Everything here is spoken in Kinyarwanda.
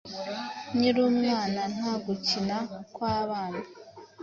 Nkiri umwana, nta gukina kwabana